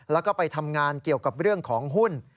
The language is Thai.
แล้วก็ไปทำงานเกี่ยวกับเรื่องของหุ้น